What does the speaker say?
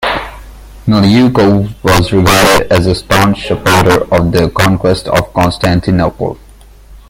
Milyukov was regarded as a staunch supporter of the conquest of Constantinople.